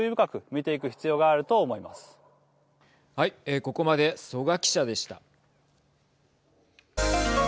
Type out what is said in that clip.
ここまで曽我記者でした。